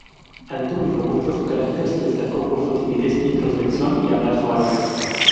Alto y robusto, su carácter se destacó por su timidez, introspección y hablar suave.